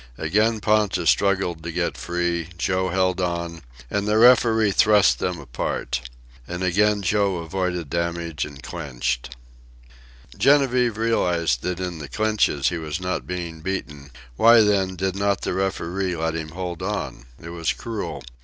Again Ponta struggled to get free, Joe held on, and the referee thrust them apart. And again Joe avoided damage and clinched. Genevieve realized that in the clinches he was not being beaten why, then, did not the referee let him hold on? It was cruel.